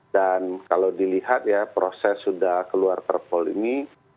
dan kalau dilihat ya proses sudah keluar kerpol ini